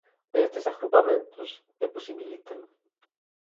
E eses agrupamentos ¿que posibilitan?